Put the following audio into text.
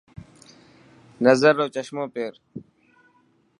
نظر رو چشمو پير.